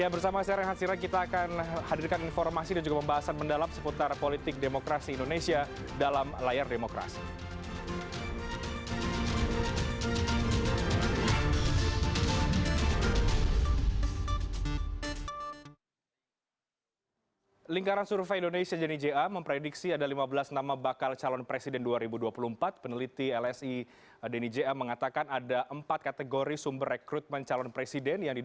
ya bersama saya renhan sirah kita akan hadirkan informasi dan juga pembahasan mendalam seputar politik demokrasi indonesia dalam layar demokrasi